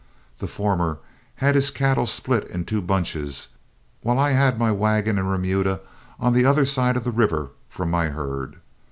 The former had his cattle split in two bunches, while I had my wagon and remuda on the other side of the river from my herd.